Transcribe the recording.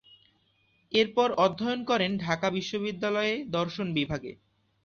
এরপর অধ্যয়ন করেন ঢাকা বিশ্ববিদ্যালয়ে দর্শন বিভাগে।